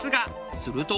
すると。